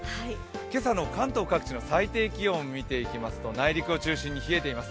今朝の関東各地の最低気温を見ていきますと、内陸を中心に冷えています。